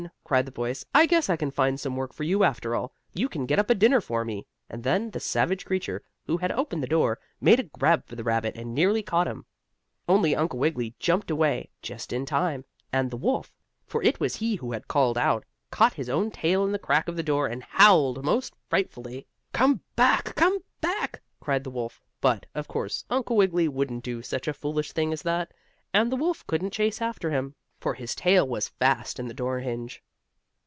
cried the voice. "I guess I can find some work for you after all. You can get up a dinner for me!" and then the savage creature, who had opened the door, made a grab for the rabbit and nearly caught him. Only Uncle Wiggily jumped away, just in time, and the wolf, for he it was who had called out, caught his own tail in the crack of the door and howled most frightfully. "Come back! Come back!" cried the wolf, but, of course, Uncle Wiggily wouldn't do such a foolish thing as that, and the wolf couldn't chase after him, for his tail was fast in the door hinge.